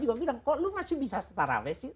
juga bilang kok lu masih bisa salat taraweeh sih